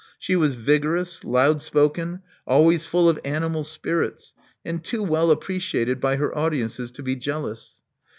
She was vigorous, loud spoken, always full of animal spirits, and too well appreciated by her audiences to be jealous.